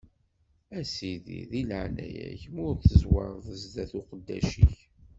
A sidi, di leɛnaya-k, ma ur tezwareḍ zdat n uqeddac-ik.